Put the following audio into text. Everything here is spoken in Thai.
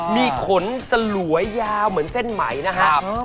มีขนสลวยยาวเหมือนเส้นไหมนะครับ